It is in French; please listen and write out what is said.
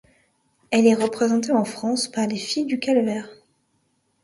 Elle est représentée en France par Les Filles du calvaire.